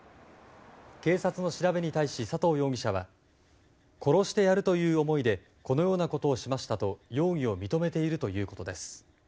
警察の調べに対し、佐藤容疑者は殺してやるという思いでこのようなことをしましたと容疑を認めているということです。